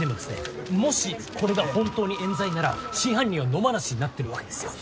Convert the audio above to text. これが本当にえん罪なら真犯人は野放しになってるわけですよ。